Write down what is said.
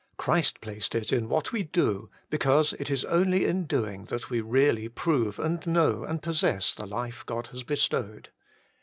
Christ placed it in what we do, because it is only in doing that we really prove and know and possess the life God has bestowed.